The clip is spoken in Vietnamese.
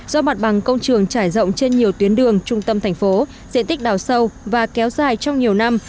do mặt bằng công trường trải rộng trên nhiều tuyến đường trung tâm thành phố diện tích đào sâu và kéo dài trong nhiều năm